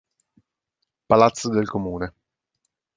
Palazzo del Comune